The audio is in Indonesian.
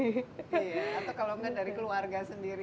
iya atau kalau enggak dari keluarga sendiri